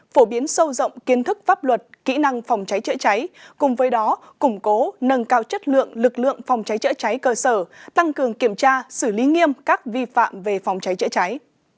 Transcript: phổ biến sâu rộng kiến thức pháp luật kỹ năng phòng cháy chữa cháy cùng với đó củng cố nâng cao chất lượng lực lượng phòng cháy chữa cháy cơ sở tăng cường kiểm tra xử lý nghiêm các vi phạm về phòng cháy chữa cháy